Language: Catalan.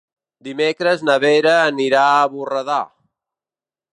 Dimecres na Vera anirà a Borredà.